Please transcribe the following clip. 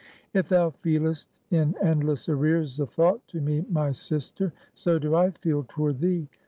"If thou feelest in endless arrears of thought to me, my sister; so do I feel toward thee.